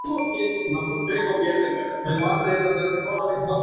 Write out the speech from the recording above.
Pero algunos no tienen su específica localización.